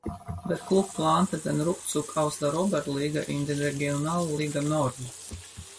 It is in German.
Der Club plante den Rückzug aus der Oberliga in die Regionalliga Nord.